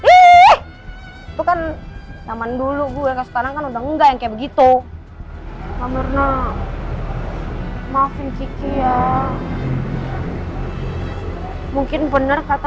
itu kan zaman dulu gue sekarang udah nggak kayak begitu amarna maafin kiki ya mungkin bener kata